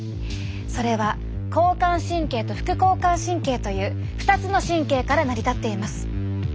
それは交感神経と副交感神経という２つの神経から成り立っています。